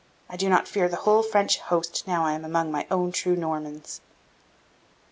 I do not fear the whole French host now I am among my own true Normans."